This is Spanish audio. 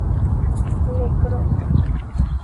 Le Cros